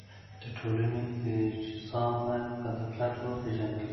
د ټولنې اجزا باید په دقت وپېژندل سي.